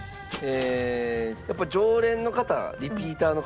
やっぱ常連の方リピーターの方が多いと。